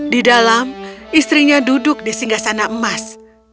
di dalam istrinya duduk di singgah sana emas